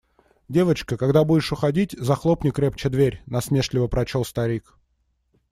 «Девочка, когда будешь уходить, захлопни крепче дверь», – насмешливо прочел старик.